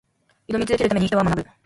挑み続けるために、人は学ぶ。